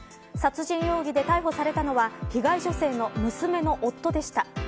殺人容疑で逮捕されたのは被害女性の娘の夫でした。